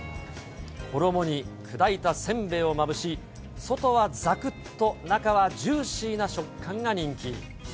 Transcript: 衣に砕いたせんべいをまぶし、外はざくっと、中はジューシーな食感が人気。